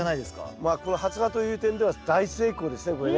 まあこの発芽という点では大成功ですねこれね。